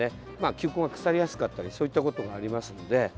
球根が腐りやすかったりそういったことがありますので。